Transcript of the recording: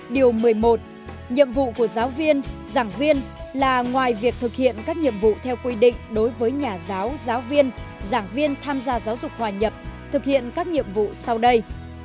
điều một mươi một nhiệm vụ của giáo viên giảng viên là ngoài việc thực hiện các nhiệm vụ theo quy định đối với nhà giáo giáo viên giảng viên tham gia giáo dục hòa nhập thực hiện các nhiệm vụ sau đây